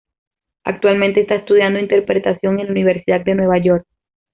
Actualmente está estudiando Interpretación en la Universidad de Nueva York.